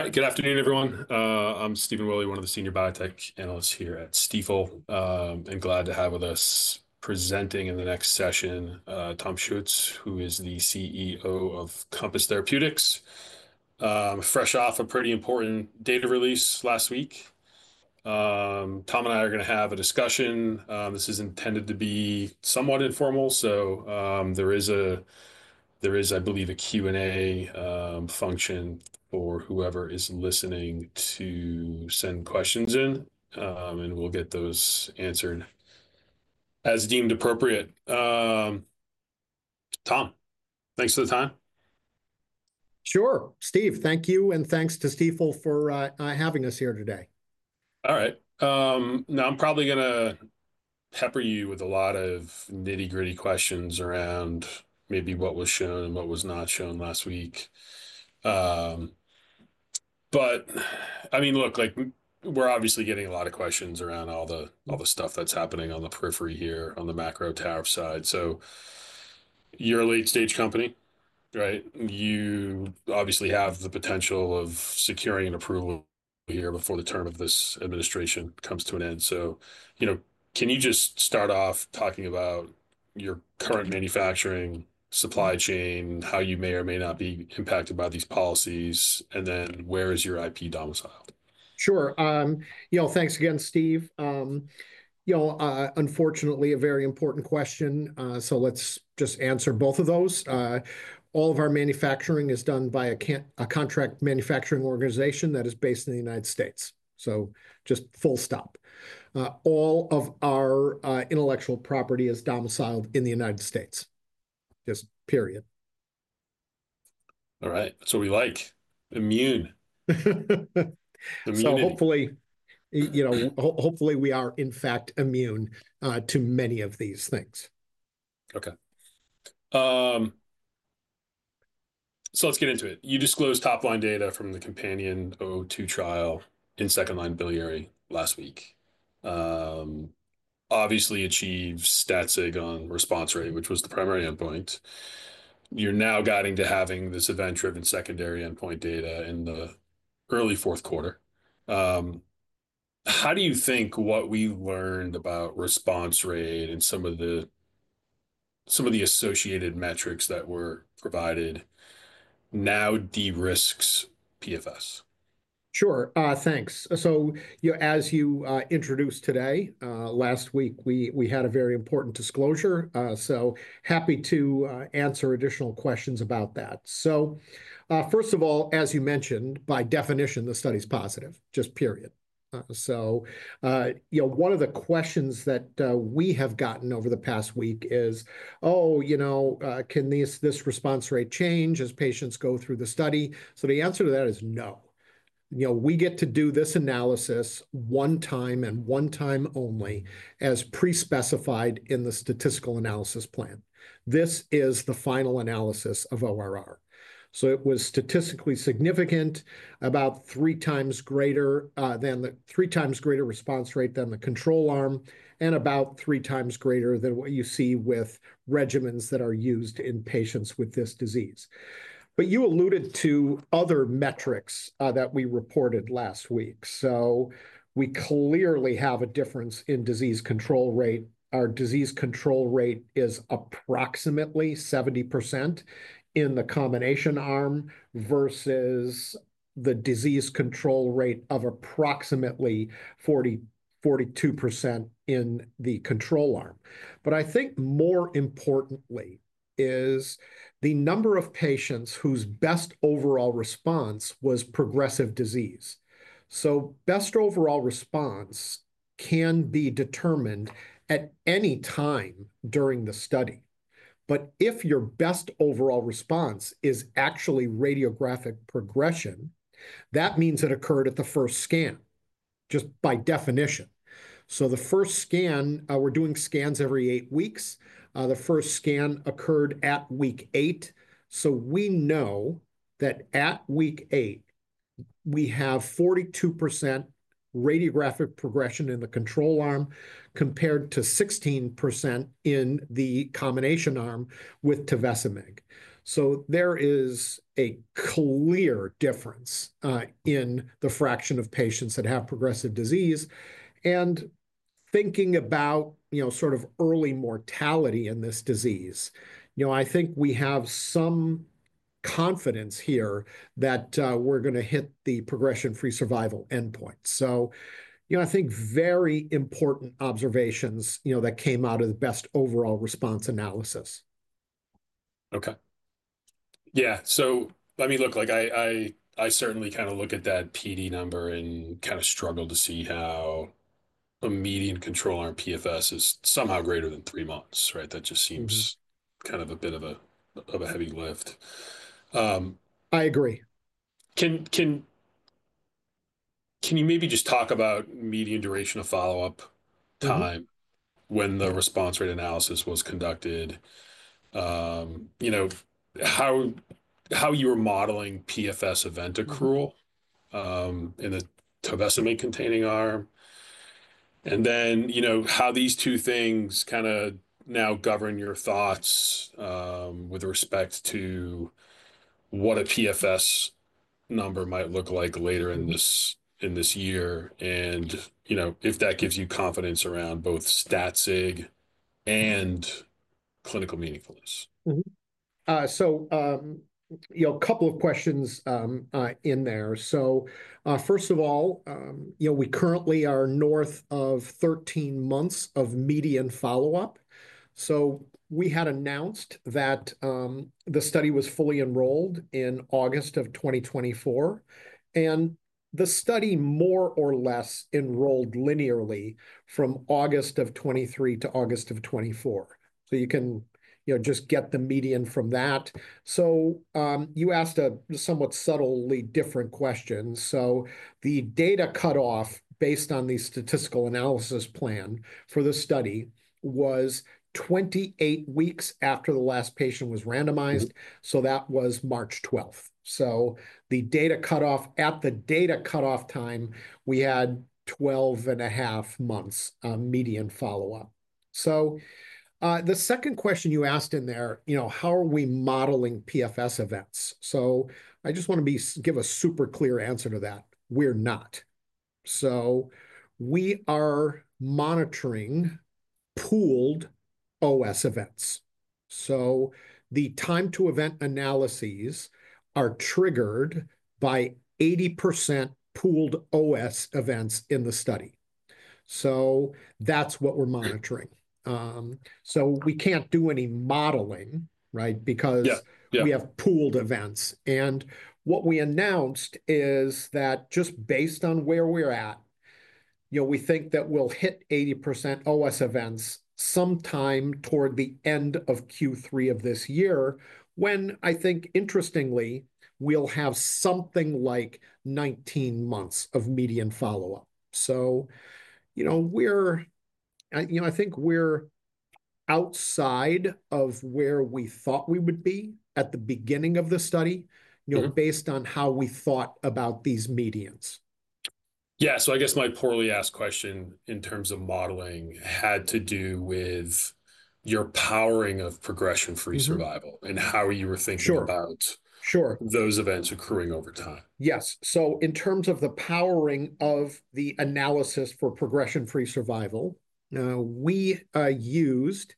All right. Good afternoon, everyone. I'm Stephen Willey, one of the Senior Biotech Analysts here at Stifel, and glad to have with us presenting in the next session Tom Schuetz who is the CEO of Compass Therapeutics. Fresh off a pretty important data release last week. Tom and I are going to have a discussion. This is intended to be somewhat informal. There is a Q&A function for whoever is listening to send questions in, and we'll get those answered as deemed appropriate. Tom, thanks for the time. Sure. Steve, thank you. Thank you to Stifel for having us here today. All right. Now, I'm probably going to pepper you with a lot of nitty-gritty questions around maybe what was shown and what was not shown last week. I mean, look, we're obviously getting a lot of questions around all the stuff that's happening on the periphery here on the macro tariff side. You're a late-stage company, right? You obviously have the potential of securing an approval here before the term of this administration comes to an end. Can you just start off talking about your current manufacturing supply chain, how you may or may not be impacted by these policies, and then where is your IP domiciled Sure. Thanks again, Steve. Unfortunately, a very important question. Let's just answer both of those. All of our manufacturing is done by a contract manufacturing organization that is based in the United States. Full stop. All of our intellectual property is domiciled in the United States. Period. All right. We like, immune. Hopefully, we are in fact immune to many of these things. Okay. Let's get into it. You disclosed top-line data from the COMPANION-002 trial in second-line biliary last week, obviously achieved stats on response rate, which was the primary endpoint. You're now guiding to having this event-driven secondary endpoint data in the early fourth quarter. How do you think what we learned about response rate and some of the associated metrics that were provided now de-risks PFS? Sure. Thanks. As you introduced today, last week, we had a very important disclosure. Happy to answer additional questions about that. First of all, as you mentioned, by definition, the study is positive. Just period. One of the questions that we have gotten over the past week is, "Oh, can this response rate change as patients go through the study?" The answer to that is no. We get to do this analysis one time and one time only as pre-specified in the statistical analysis plan. This is the final analysis of ORR. It was statistically significant, about three times greater than the response rate in the control arm, and about three times greater than what you see with regimens that are used in patients with this disease. You alluded to other metrics that we reported last week. We clearly have a difference in disease control rate. Our disease control rate is approximately 70% in the combination arm versus the disease control rate of approximately 42% in the control arm. I think more importantly is the number of patients whose best overall response was progressive disease. Best overall response can be determined at any time during the study. If your best overall response is actually radiographic progression, that means it occurred at the first scan, just by definition. The first scan, we're doing scans every eight weeks. The first scan occurred at week eight. We know that at week eight, we have 42% radiographic progression in the control arm compared to 16% in the combination arm with Teva-semag. There is a clear difference in the fraction of patients that have progressive disease. Thinking about sort of early mortality in this disease, I think we have some confidence here that we're going to hit the progression-free survival endpoint. I think very important observations that came out of the best overall response analysis. Okay. Yeah. I mean, look, I certainly kind of look at that PD number and kind of struggle to see how a median control arm PFS is somehow greater than three months, right? That just seems kind of a bit of a heavy lift. I agree. Can you maybe just talk about median duration of follow-up time when the response rate analysis was conducted, how you were modeling PFS event accrual in the Teva-semag containing arm, and then how these two things kind of now govern your thoughts with respect to what a PFS number might look like later in this year and if that gives you confidence around both stats and clinical meaningfulness? A couple of questions in there. First of all, we currently are north of 13 months of median follow-up. We had announced that the study was fully enrolled in August of 2024. The study more or less enrolled linearly from August of 2023 to August of 2024. You can just get the median from that. You asked a somewhat subtly different question. The data cutoff based on the statistical analysis plan for the study was 28 weeks after the last patient was randomized. That was March 12th. At the data cutoff time, we had 12 and a half months median follow-up. The second question you asked in there, how are we modeling PFS events? I just want to give a super clear answer to that. We're not. We are monitoring pooled OS events. The time-to-event analyses are triggered by 80% pooled OS events in the study. That is what we are monitoring. We cannot do any modeling, right, because we have pooled events. What we announced is that just based on where we are at, we think that we will hit 80% OS events sometime toward the end of Q3 of this year when, I think, interestingly, we will have something like 19 months of median follow-up. I think we are outside of where we thought we would be at the beginning of the study based on how we thought about these medians. Yeah. I guess my poorly asked question in terms of modeling had to do with your powering of progression-free survival and how you were thinking about those events occurring over time. Yes. In terms of the powering of the analysis for progression-free survival, we used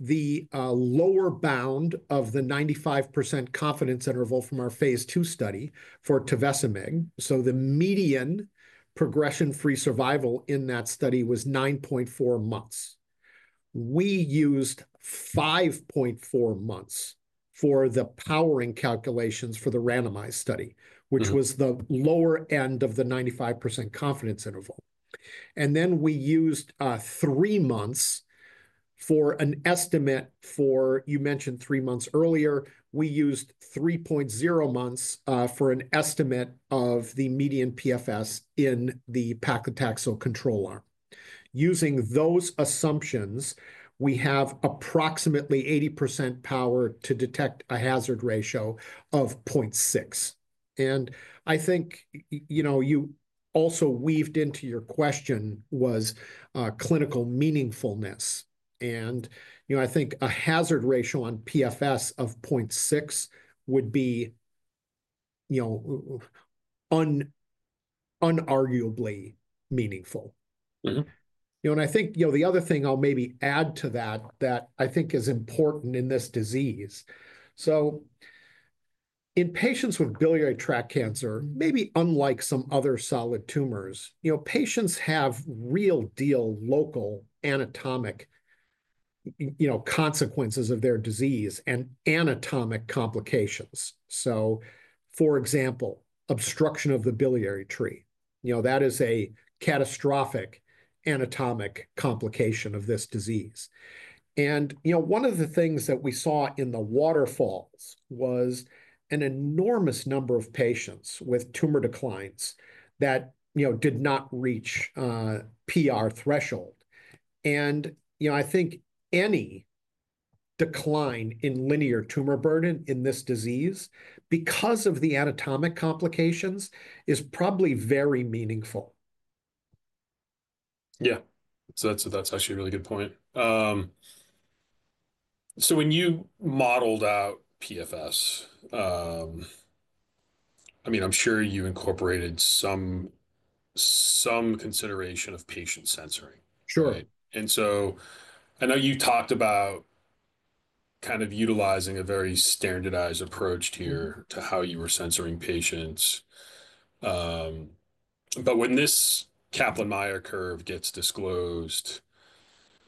the lower bound of the 95% confidence interval from our phase two study for Teva-semag. The median progression-free survival in that study was 9.4 months. We used 5.4 months for the powering calculations for the randomized study, which was the lower end of the 95% confidence interval. We used three months for an estimate for—you mentioned three months earlier. We used 3.0 months for an estimate of the median PFS in the paclitaxel control arm. Using those assumptions, we have approximately 80% power to detect a hazard ratio of 0.6. I think you also weaved into your question was clinical meaningfulness. I think a hazard ratio on PFS of 0.6 would be unarguably meaningful. I think the other thing I'll maybe add to that that I think is important in this disease. In patients with biliary tract cancer, maybe unlike some other solid tumors, patients have real deal local anatomic consequences of their disease and anatomic complications. For example, obstruction of the biliary tree. That is a catastrophic anatomic complication of this disease. One of the things that we saw in the waterfalls was an enormous number of patients with tumor declines that did not reach PR threshold. I think any decline in linear tumor burden in this disease because of the anatomic complications is probably very meaningful. Yeah. That's actually a really good point. When you modeled out PFS, I mean, I'm sure you incorporated some consideration of patient sensoring. Sure. I know you talked about kind of utilizing a very standardized approach here to how you were censoring patients. When this Kaplan-Meier curve gets disclosed,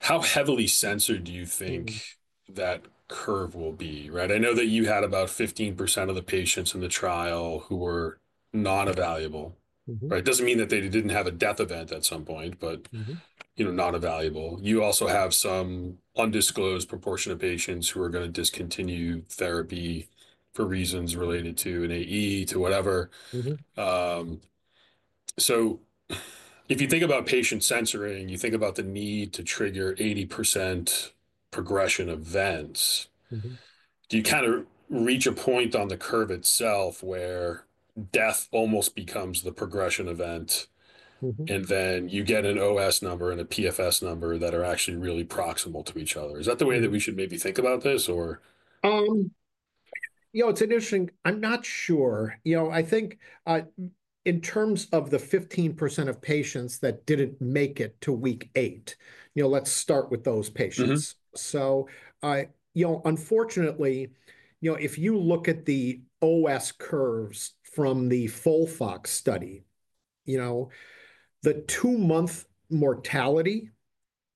how heavily censored do you think that curve will be, right? I know that you had about 15% of the patients in the trial who were non-available, right? It doesn't mean that they didn't have a death event at some point, but not available. You also have some undisclosed proportion of patients who are going to discontinue therapy for reasons related to an AE, to whatever. If you think about patient censoring, you think about the need to trigger 80% progression events, do you kind of reach a point on the curve itself where death almost becomes the progression event, and then you get an OS number and a PFS number that are actually really proximal to each other? Is that the way that we should maybe think about this, or..? It's interesting. I'm not sure. I think in terms of the 15% of patients that didn't make it to week eight, let's start with those patients. Unfortunately, if you look at the OS curves from the FOLFOX study, the two-month mortality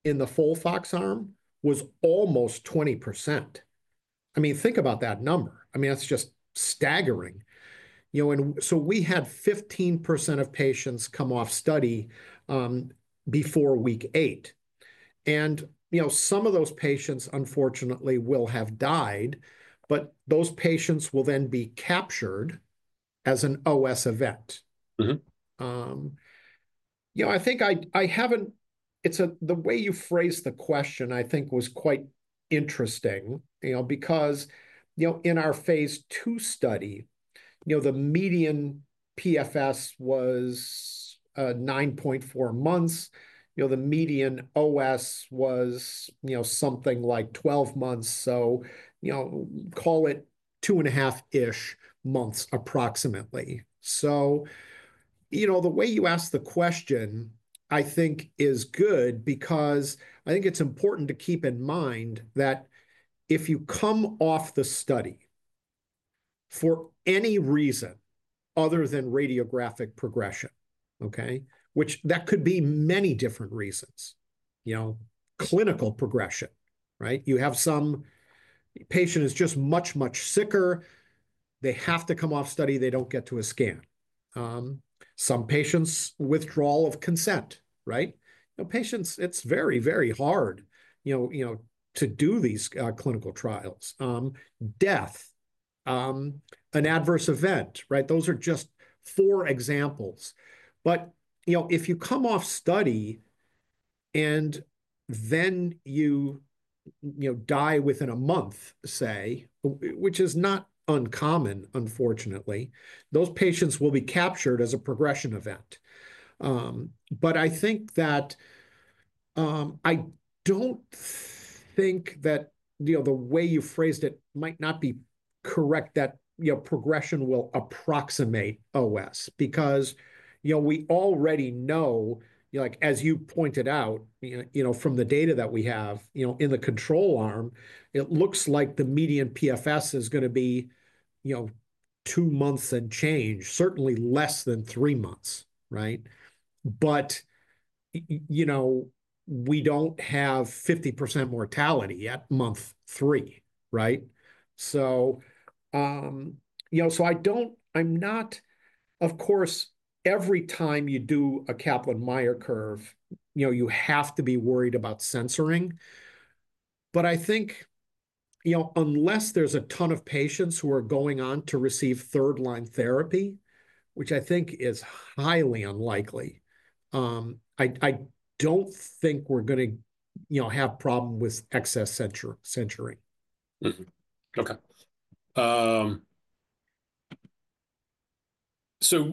in the FOLFOX arm was almost 20%. I mean, think about that number. I mean, that's just staggering. We had 15% of patients come off study before week eight. Some of those patients, unfortunately, will have died, but those patients will then be captured as an OS event. I think the way you phrased the question, I think, was quite interesting because in our phase two study, the median PFS was 9.4 months. The median OS was something like 12 months. Call it 2.5 months approximately. The way you asked the question, I think, is good because I think it's important to keep in mind that if you come off the study for any reason other than radiographic progression, okay, which that could be many different reasons, clinical progression, right? You have some patient is just much, much sicker. They have to come off study. They don't get to a scan. Some patients withdrawal of consent, right? Patients, it's very, very hard to do these clinical trials. Death, an adverse event, right? Those are just four examples. If you come off study and then you die within a month, say, which is not uncommon, unfortunately, those patients will be captured as a progression event. I think that I don't think that the way you phrased it might not be correct that progression will approximate OS because we already know, as you pointed out from the data that we have in the control arm, it looks like the median PFS is going to be two months and change, certainly less than three months, right? We don't have 50% mortality at month three, right? I'm not, of course, every time you do a Kaplan-Meier curve, you have to be worried about censoring. I think unless there's a ton of patients who are going on to receive third-line therapy, which I think is highly unlikely, I don't think we're going to have a problem with excess censoring. Okay.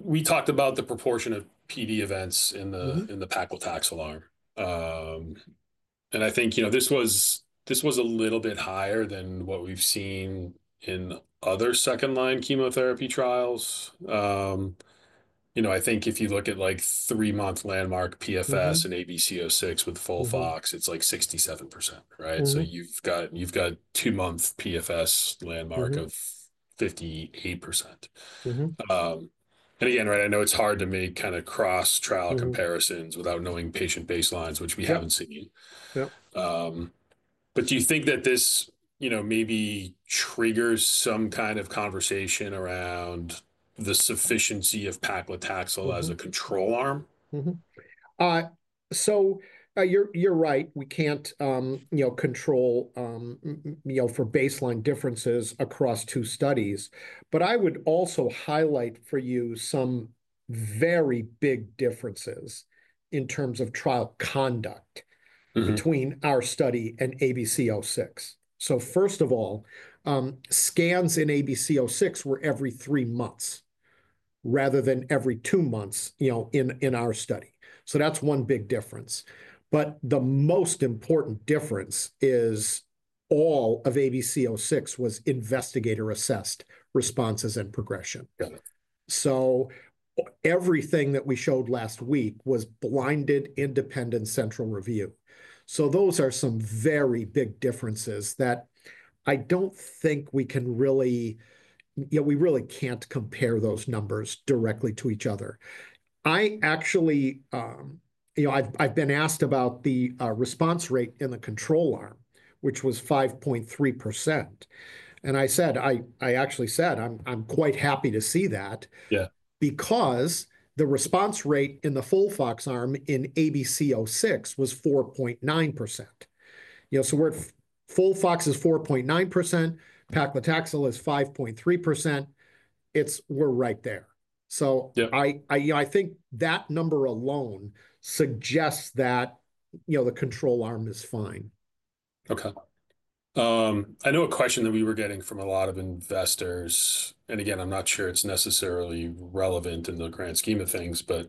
We talked about the proportion of PD events in the paclitaxel arm. I think this was a little bit higher than what we've seen in other second-line chemotherapy trials. I think if you look at three-month landmark PFS in ABC06 with FOLFOX, it's like 67%, right? You've got two-month PFS landmark of 58%. Again, I know it's hard to make kind of cross-trial comparisons without knowing patient baselines, which we haven't seen. Do you think that this maybe triggers some kind of conversation around the sufficiency of paclitaxel as a control arm? You're right. We can't control for baseline differences across two studies. I would also highlight for you some very big differences in terms of trial conduct between our study and ABC06. First of all, scans in ABC06 were every three months rather than every two months in our study. That's one big difference. The most important difference is all of ABC06 was investigator-assessed responses and progression. Everything that we showed last week was blinded independent central review. Those are some very big differences that I don't think we can really compare those numbers directly to each other. I've been asked about the response rate in the control arm, which was 5.3%. I actually said, "I'm quite happy to see that because the response rate in the FOLFOX arm in ABC06 was 4.9%." FOLFOX is 4.9%. Paclitaxel is 5.3%. We're right there. I think that number alone suggests that the control arm is fine. Okay. I know a question that we were getting from a lot of investors. Again, I'm not sure it's necessarily relevant in the grand scheme of things, but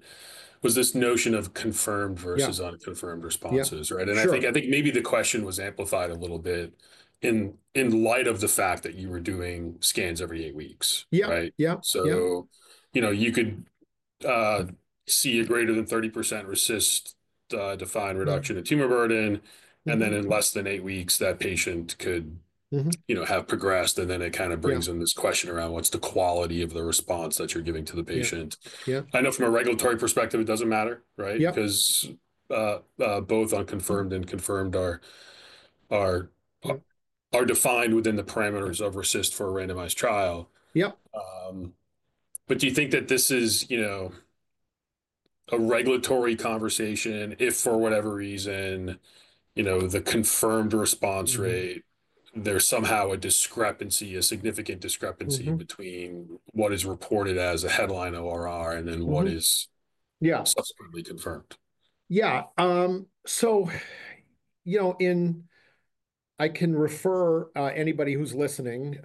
was this notion of confirmed versus unconfirmed responses, right? I think maybe the question was amplified a little bit in light of the fact that you were doing scans every eight weeks, right? Yeah. You could see a greater than 30% RECIST-defined reduction in tumor burden. And then in less than eight weeks, that patient could have progressed. It kind of brings in this question around what's the quality of the response that you're giving to the patient. I know from a regulatory perspective, it doesn't matter, right? Because both unconfirmed and confirmed are defined within the parameters of RECIST for a randomized trial. Do you think that this is a regulatory conversation if, for whatever reason, the confirmed response rate, there's somehow a discrepancy, a significant discrepancy between what is reported as a headline ORR and then what is subsequently confirmed? Yeah. I can refer anybody who's listening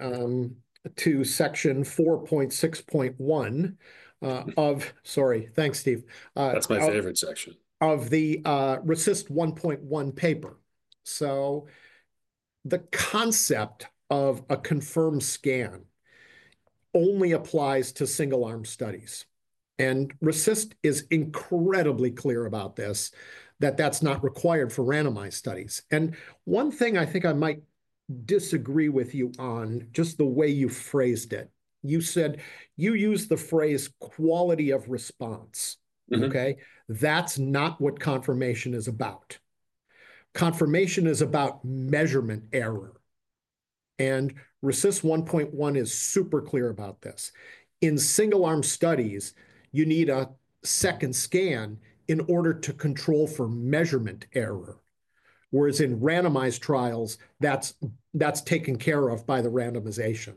to section 4.6.1 of—sorry. Thanks, Steve. That's my favorite section. The RECIST 1.1 paper. The concept of a confirmed scan only applies to single-arm studies. RECIST is incredibly clear about this, that that's not required for randomized studies. One thing I think I might disagree with you on, just the way you phrased it. You used the phrase "quality of response," okay? That's not what confirmation is about. Confirmation is about measurement error. RECIST 1.1 is super clear about this. In single-arm studies, you need a second scan in order to control for measurement error. Whereas in randomized trials, that's taken care of by the randomization.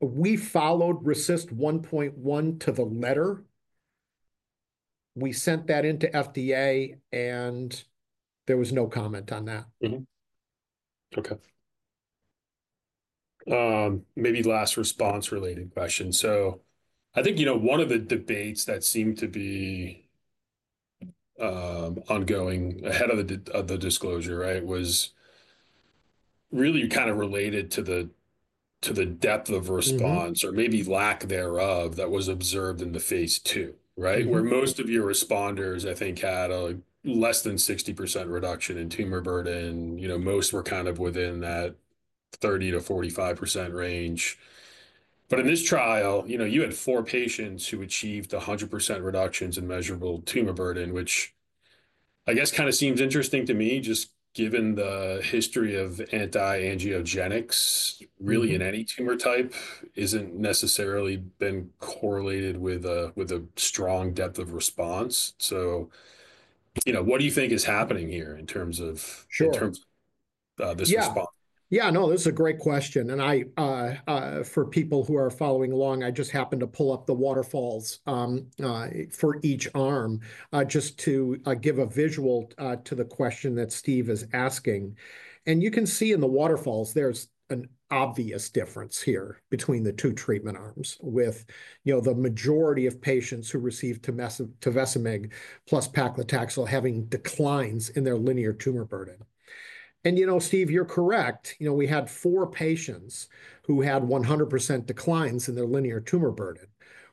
We followed RECIST 1.1 to the letter. We sent that into FDA, and there was no comment on that. Okay. Maybe last response-related question. I think one of the debates that seemed to be ongoing ahead of the disclosure, right, was really kind of related to the depth of response or maybe lack thereof that was observed in the phase two, right? Where most of your responders, I think, had less than 60% reduction in tumor burden. Most were kind of within that 30-45% range. In this trial, you had four patients who achieved 100% reductions in measurable tumor burden, which I guess kind of seems interesting to me, just given the history of anti-angiogenics, really in any tumor type, has not necessarily been correlated with a strong depth of response. What do you think is happening here in terms of this response? This is a great question. For people who are following along, I just happened to pull up the waterfalls for each arm just to give a visual to the question that Steve is asking. You can see in the waterfalls, there's an obvious difference here between the two treatment arms with the majority of patients who received Teva-semag plus paclitaxel having declines in their linear tumor burden. Steve, you're correct. We had four patients who had 100% declines in their linear tumor burden,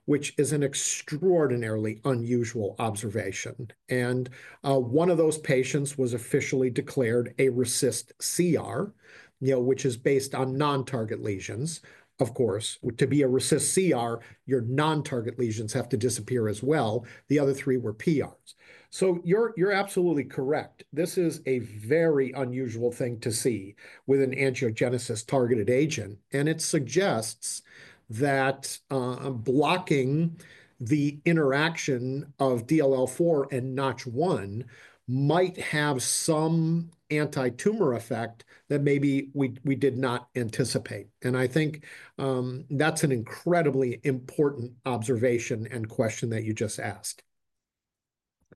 which is an extraordinarily unusual observation. One of those patients was officially declared a RECIST CR, which is based on non-target lesions. Of course, to be a RECIST CR, your non-target lesions have to disappear as well. The other three were PRs. You're absolutely correct. This is a very unusual thing to see with an angiogenesis-targeted agent. It suggests that blocking the interaction of DLL4 and NOTCH1 might have some anti-tumor effect that maybe we did not anticipate. I think that's an incredibly important observation and question that you just asked.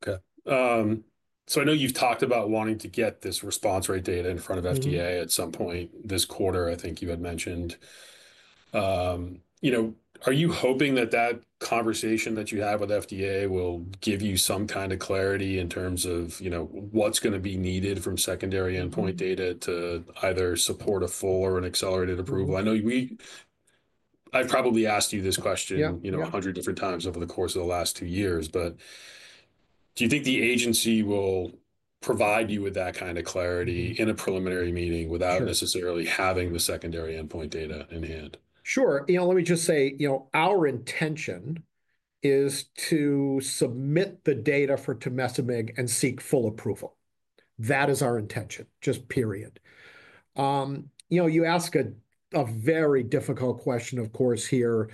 Okay. I know you've talked about wanting to get this response rate data in front of FDA at some point this quarter, I think you had mentioned. Are you hoping that that conversation that you have with FDA will give you some kind of clarity in terms of what's going to be needed from secondary endpoint data to either support a full or an accelerated approval? I know I've probably asked you this question 100 different times over the course of the last two years, but do you think the agency will provide you with that kind of clarity in a preliminary meeting without necessarily having the secondary endpoint data in hand? Sure. Let me just say our intention is to submit the data for Teva-semag and seek full approval. That is our intention, just period. You ask a very difficult question, of course, here.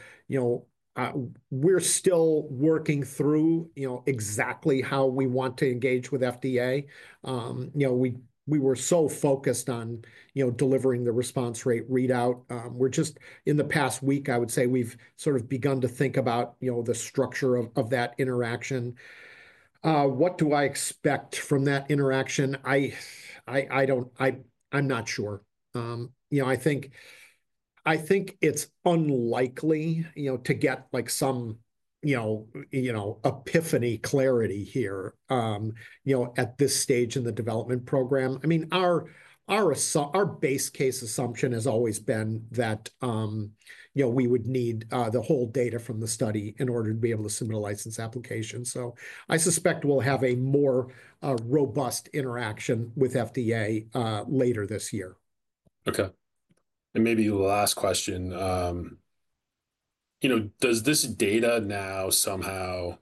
We're still working through exactly how we want to engage with FDA. We were so focused on delivering the response rate readout. In the past week, I would say we've sort of begun to think about the structure of that interaction. What do I expect from that interaction? I'm not sure. I think it's unlikely to get some epiphany clarity here at this stage in the development program. I mean, our base case assumption has always been that we would need the whole data from the study in order to be able to submit a license application. I suspect we'll have a more robust interaction with FDA later this year. Okay. Maybe the last question. Does this data now somehow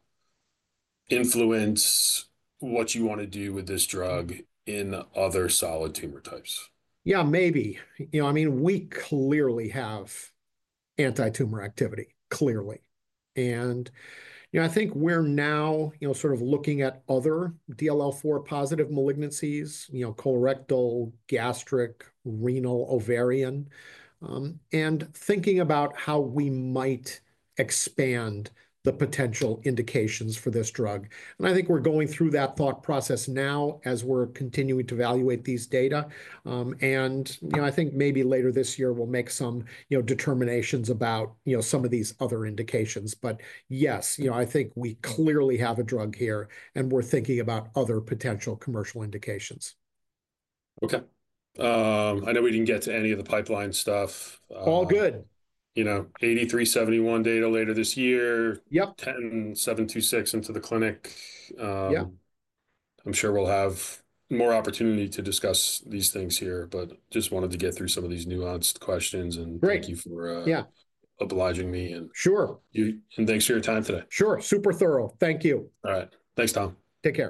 influence what you want to do with this drug in other solid tumor types? Yeah, maybe. I mean, we clearly have anti-tumor activity, clearly. I think we're now sort of looking at other DLL4 positive malignancies, colorectal, gastric, renal, ovarian, and thinking about how we might expand the potential indications for this drug. I think we're going through that thought process now as we're continuing to evaluate these data. I think maybe later this year, we'll make some determinations about some of these other indications. Yes, I think we clearly have a drug here, and we're thinking about other potential commercial indications. Okay. I know we didn't get to any of the pipeline stuff. All good. CTX-8371 data later this year, CTX-10726 into the clinic. I'm sure we'll have more opportunity to discuss these things here, but just wanted to get through some of these nuanced questions. Thank you for obliging me. Thanks for your time today. Sure. Super thorough. Thank you. All right. Thanks, Tom. Take care.